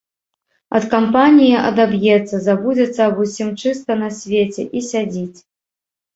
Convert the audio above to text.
Ад кампаніі адаб'ецца, забудзецца аба ўсім чыста на свеце і сядзіць.